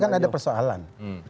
karena kan ada persoalan